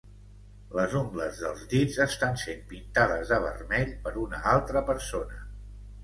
Les ungles dels dits estan sent pintades de vermell per una altra persona.